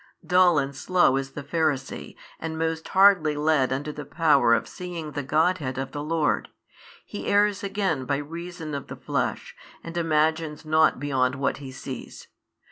Dull and slow is the Pharisee, and most hardly led unto the power of seeing the Godhead of the Lord: he errs again by reason of the flesh, and imagines nought beyond what he sees.